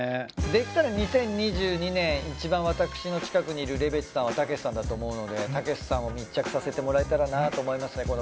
できたら２０２２年いちばん私の近くにいるレベチさんはたけしさんだと思うのでたけしさんを密着させてもらえたらなと思いますね